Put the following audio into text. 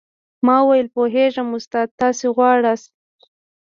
ما وويل پوهېږم استاده تاسې غواړاست.